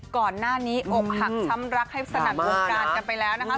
ก่อนหน้านี้อกหักช้ำรักให้สนัดวงการกันไปแล้วนะคะ